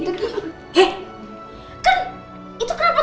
he kan itu kenapa